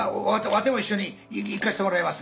わても一緒に行かしてもらいます。